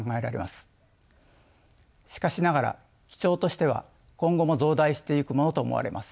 しかしながら基調としては今後も増大していくものと思われます。